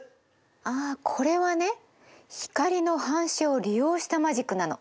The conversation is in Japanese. あこれはね光の反射を利用したマジックなの。